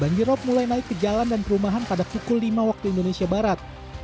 banjir rop mulai naik ke jalan dan perumahan pada pukul lima waktu indonesia barat